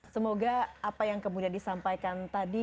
semoga apa yang kemudian disampaikan tadi